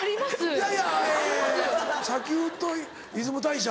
いやいやえ砂丘と出雲大社？